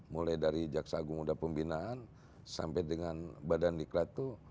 mulai dari jaksa agung uda pembinaan sampai dengan badan niklatu